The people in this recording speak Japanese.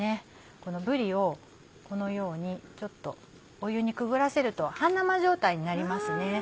このぶりをこのようにちょっと湯にくぐらせると半生状態になりますね。